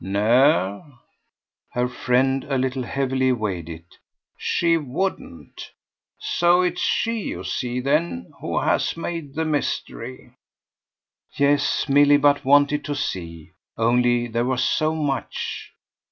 "No" her friend a little heavily weighed it "she wouldn't. So it's she, you see then, who has made the mystery." Yes, Milly but wanted to see; only there was so much.